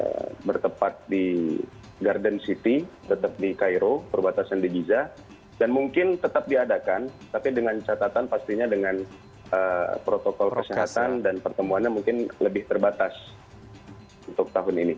jadi perwakilan adalah bertempat di garden city tetap mein cairo perbatasan di bija dan mungkin tetap diadakan tapi dengan catatan pastinya dengan protokol kesihatan dan pertemuannya mungkin lebih terbatas untuk tahun ini